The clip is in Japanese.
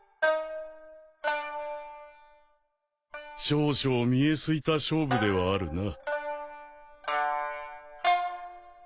少々見え透いた勝負ではあるな。